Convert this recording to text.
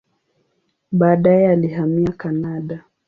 Baadaye alihamia Kanada.